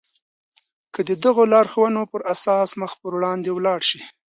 که د دغو لارښوونو پر اساس مخ پر وړاندې ولاړ شئ.